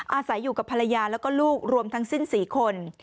อาศัยอยู่กับภรรยาแล้วก็ลูกรวมทั้งสิ้น๔คน